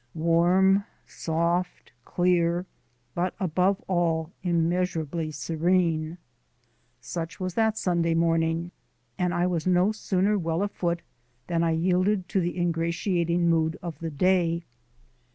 Warm, soft, clear, but, above all, immeasurably serene. Such was that Sunday morning; and I was no sooner well afoot than I yielded to the ingratiating mood of the day.